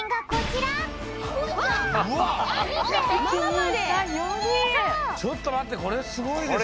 ちょっとまってこれすごいですよ。